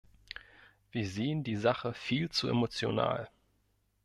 Wir sehen die Sache viel zu emotional.